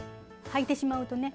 はいてしまうとね。